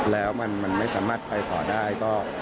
แล้วมันไม่สามารถไปต่อได้ก็